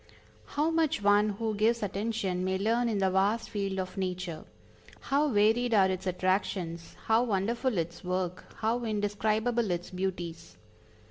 How much one who gives attention may learn in the vast field of Nature! How varied are its attractions, how wonderful its work, how indescribable its beauties!